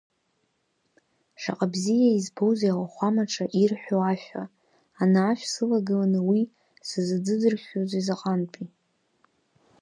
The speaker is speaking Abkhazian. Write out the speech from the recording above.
Шаҟа бзиа избозеи ауахәамаҿы ирҳәауа ашәа, ана ашә сылагыланы уи сазыӡырҩхьази заҟантәы.